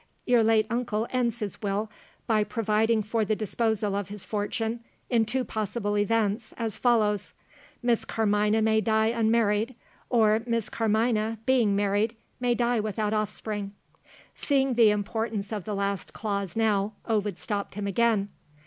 Your late uncle ends his Will, by providing for the disposal of his fortune, in two possible events, as follows: Miss Carmina may die unmarried, or Miss Carmina (being married) may die without offspring." Seeing the importance of the last clause now, Ovid stopped him again.